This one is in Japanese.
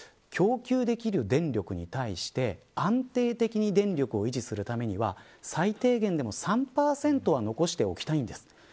供給できる電力に対して安定的に電力を維持するためには最低限でも３％は残しておきたいんです。